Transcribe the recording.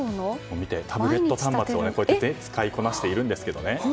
タブレット端末を使いこなしているんですけどね。